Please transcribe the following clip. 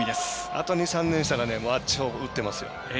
あと２３年したらあっちも打ってますよ。